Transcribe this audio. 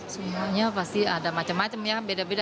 semuanya pasti ada macam macam ya beda beda